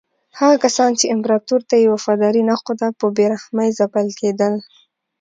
هغه کسان چې امپراتور ته یې وفاداري نه ښوده په بې رحمۍ ځپل کېدل.